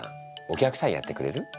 お客さんやってくれる？